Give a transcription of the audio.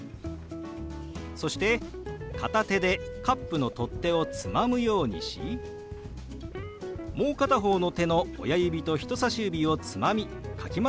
そして片手でカップの取っ手をつまむようにしもう片方の手の親指と人さし指をつまみかき混ぜるように動かします。